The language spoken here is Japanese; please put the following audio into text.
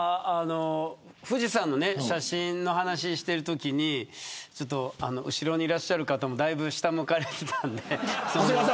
富士山の写真の話をしているとき後ろにいらっしゃる方もだいぶ下を向かれていたんで。